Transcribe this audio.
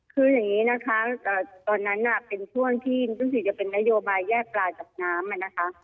คืออย่างนี้นะคะตอนนั้นเป็นช่วงที่รู้สึกจะเป็นนโยบายแยกปลากับน้ำนะคะ